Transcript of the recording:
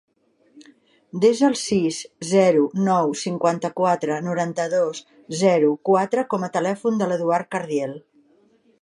Desa el sis, zero, nou, cinquanta-quatre, noranta-dos, zero, quatre com a telèfon de l'Eduard Cardiel.